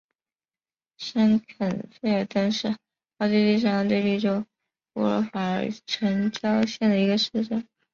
申肯费尔登是奥地利上奥地利州乌尔法尔城郊县的一个市镇。